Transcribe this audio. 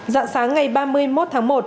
dạng sáng ngày ba mươi một tháng năm